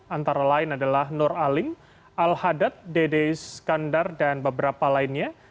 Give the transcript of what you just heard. antara lain adalah nur alim al hadad dede skandar dan beberapa lainnya